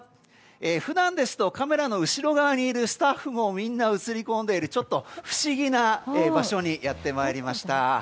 普段ですとカメラの後ろ側にいるスタッフもみんな映り込んでいるちょっと不思議な場所にやってまいりました。